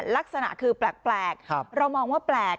ลักษณะคือแปลกเรามองว่าแปลก